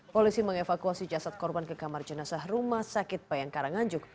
polisi mengevakuasi jasad korban ke kamar jenazah rumah sakit bayang karanganjuk